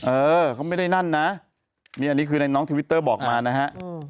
เออเขาไม่ได้นั่นนะนี่อันนี้คือในน้องทวิตเตอร์บอกมานะฮะ